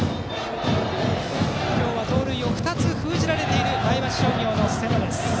今日は盗塁を２つ封じられている前橋商業。